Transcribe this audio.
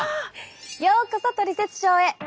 ようこそ「トリセツショー」へ！